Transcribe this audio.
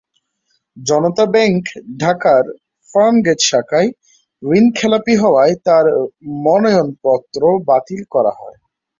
জনতা bank ঢাকার ফার্মগেট শাখায় ঋণখেলাপি হওয়ায় তাঁর মনোনয়নপত্র বাতিল করা হয়।